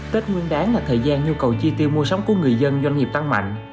tết nguyên đáng là thời gian nhu cầu chi tiêu mua sắm của người dân doanh nghiệp tăng mạnh